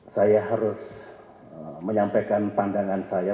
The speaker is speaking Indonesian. saya harus menyampaikan pandangan saya